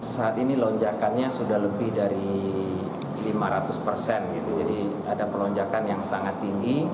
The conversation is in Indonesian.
saat ini lonjakannya sudah lebih dari lima ratus persen jadi ada pelonjakan yang sangat tinggi